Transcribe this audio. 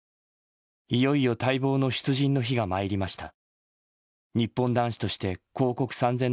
いよいよ待望の出陣の日が参りました。